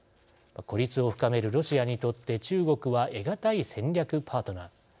孤立を深めるロシアにとって中国は得難い戦略パートナー。